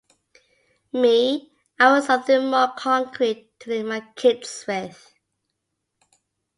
Me, I want something more concrete to leave my kids with.